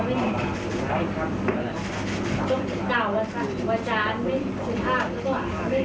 เพราะว่าตั้งเจนทำงานจริงก็จะตั้งเจนทำงานโดยสมุทรศิริ